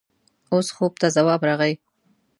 اوس خوب ته ځواب راغی.